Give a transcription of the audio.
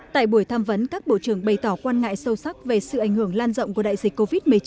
tại buổi tham vấn các bộ trưởng bày tỏ quan ngại sâu sắc về sự ảnh hưởng lan rộng của đại dịch covid một mươi chín